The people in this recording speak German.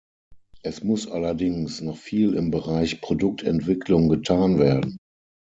Es muss allerdings noch viel im Bereich Produktentwicklung getan werden.